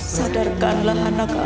ya berlipat lipat lah